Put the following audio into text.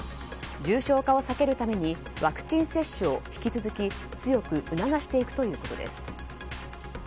重症化を避けるためにワクチン接種を引き続き強く促していくということです。